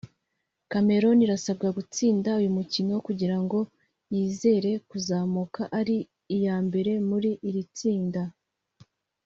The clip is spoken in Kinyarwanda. Cameroon irasabwa gutsinda uyu mukino kugira ngo yizere kuzamuka ari iya mbere muri iri tsinda